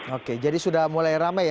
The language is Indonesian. oke jadi sudah mulai ramai ya